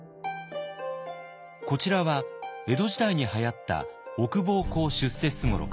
こちらは江戸時代にはやった「奥奉公出世雙六」。